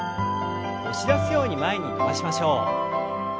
押し出すように前に伸ばしましょう。